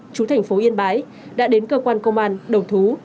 chú thành phố yên bái đã đến cơ quan công an đầu thú